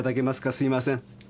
すいません。